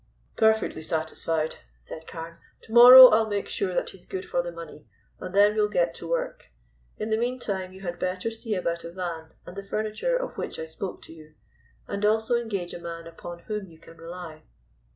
"Perfectly satisfied," said Carne. "To morrow I'll make sure that he's good for the money, and then we'll get to work. In the meantime you had better see about a van and the furniture of which I spoke to you, and also engage a man upon whom you can rely."